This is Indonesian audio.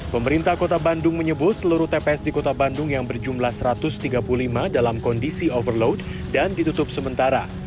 pemerintah kota bandung menyebut seluruh tps di kota bandung yang berjumlah satu ratus tiga puluh lima dalam kondisi overload dan ditutup sementara